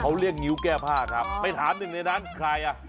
เขาเรียกงิ้วแก้ผ้าครับไปถามหนึ่งในนั้นใครอ่ะ